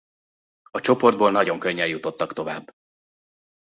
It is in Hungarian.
A csoportból nagyon könnyen jutottak tovább.